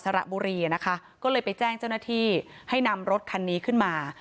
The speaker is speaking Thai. สระบุรีอ่ะนะคะก็เลยไปแจ้งเจ้าหน้าที่ให้นำรถคันนี้ขึ้นมา